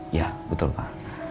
iya betul pak